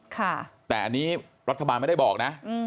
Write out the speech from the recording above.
แต่อันนี้รัฐบาลไม่ได้บอกนะ